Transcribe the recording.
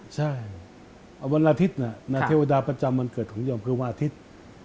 ใช่วันอาทิตย์เทวดาประจำวันเกิดของโยมคือวันอาทิตย์